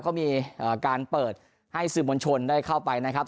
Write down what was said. เขามีการเปิดให้สื่อมวลชนได้เข้าไปนะครับ